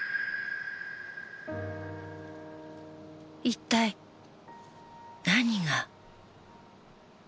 一体、何が？